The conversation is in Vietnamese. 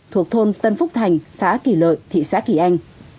thuộc thôn tân phúc thành xã kỳ lợi thị xã kỳ anh